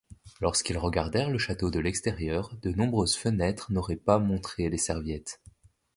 Lorsqu'ils regardèrent le château de l'extérieur, de nombreuses fenêtres n'auraient pas montré les serviettes.